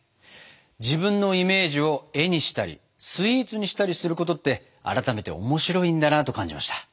自分のイメージを絵にしたりスイーツにしたりすることって改めておもしろいんだなと感じました。